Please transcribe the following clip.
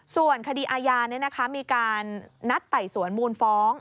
ส่วนคดีอาญามีการนัดไต่สวนมูลฟ้อง